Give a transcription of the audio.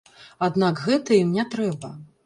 Аднак гэта ім не трэба.